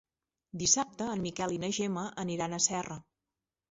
Dissabte en Miquel i na Gemma aniran a Serra.